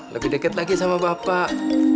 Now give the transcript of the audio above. lebih dekat lagi sama bapak